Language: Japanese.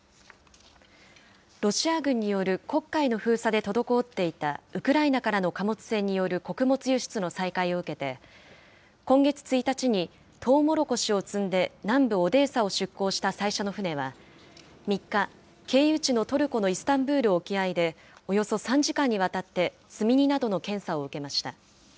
ロシア軍による黒海の封鎖で滞っていたウクライナからの貨物船による穀物輸出の再開を受けて、今月１日に、トウモロコシを積んで南部オデーサを出港した最初の船は、３日、経由地のトルコのイスタンブール沖合で、およそ３時間にわたって積み荷などの検査を受けました。